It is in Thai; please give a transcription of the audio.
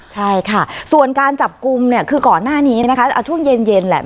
ใช่ค่ะส่วนการจับกลุ่มเนี่ยคือก่อนหน้านี้นะคะเอาช่วงเย็นแหละ